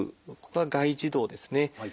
ここが外耳道ですね。